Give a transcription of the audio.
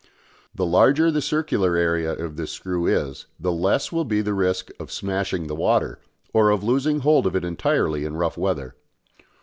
The larger the circular area of this screw is the less will be the risk of "smashing" the water, or of losing hold of it entirely in rough weather.